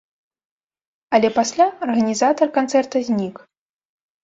Але пасля арганізатар канцэрта знік.